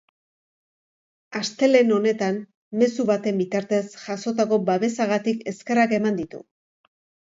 Astelehen honetan, mezu baten bitartez, jasotako babesagatik eskerrak eman ditu.